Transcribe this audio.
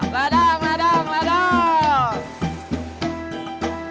ledang ledang ledang